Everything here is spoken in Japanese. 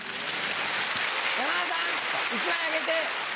山田さん、１枚あげて。